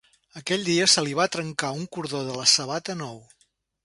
Aquell dia se li va trencar un cordó de la sabata nou.